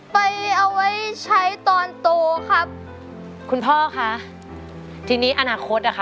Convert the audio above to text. ไปเอาไว้ใช้ตอนโตครับคุณพ่อค่ะทีนี้อนาคตอ่ะค่ะ